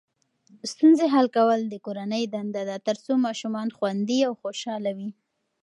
ستونزې حل کول د کورنۍ دنده ده ترڅو ماشومان خوندي او خوشحاله وي.